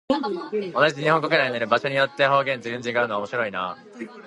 同じ日本国内なのに、場所によって方言が全然違うのは面白いなあ。